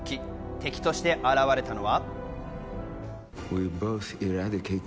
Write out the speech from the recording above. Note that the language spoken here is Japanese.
敵として現れたのは。